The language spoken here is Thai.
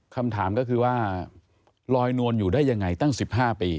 คำถามก็คือว่าลอยนวลอยู่ได้ยังไงตั้ง๑๕ปี